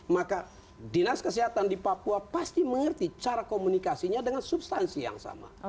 maka dinas kesehatan di papua pasti mengerti cara komunikasinya dengan substansi yang sama